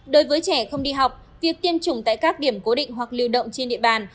đối với trẻ không đi học việc tiêm chủng tại các điểm cố định hoặc liều động trên địa bàn